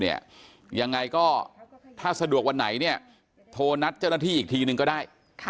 ยังไงก็ถ้าสะดวกวันไหนเนี่ยโทรนัดเจ้าหน้าที่อีกทีนึงก็ได้